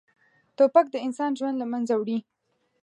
توپک د انسان ژوند له منځه وړي.